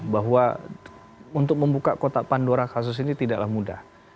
bahwa untuk membuka kotak pandora kasus ini tidaklah mudah